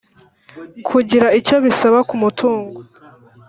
Kugira icyo bisaba ku mutungo